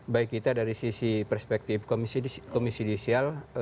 baik kita dari sisi perspektif komisi judisial